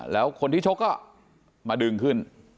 แล้วคนที่ชกก็มาดึงขึ้น